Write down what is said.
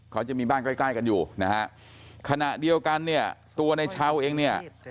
เขาจะมีบ้านใกล้กันอยู่ขณะเดียวกันเนี่ยตัวในชาวเองเนี่ย